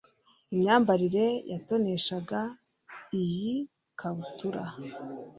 imyambarire yatoneshaga iyi kabutura